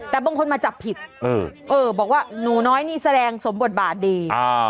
แต่บางคนมาจับผิดบอกว่าหนูน้อยนี่แสดงสมบทบาทดี